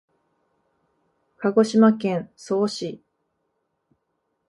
鹿児島県曽於市